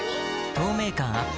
透明感アップ